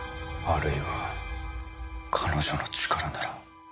あるいは彼女の力なら。